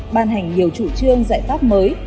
ban hành nhiều chủ trương giải pháp mới